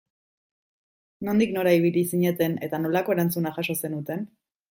Nondik nora ibili zineten eta nolako erantzuna jaso zenuten?